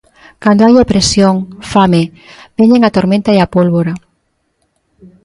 Cando hai opresión, fame, veñen a tormenta e a pólvora.